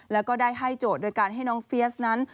แล้วก็ได้ให้โจทย์โดยการให้น้องเฟียสนั้น